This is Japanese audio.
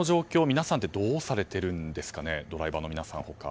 皆さんはどうされているんですかドライバーの皆さん、他。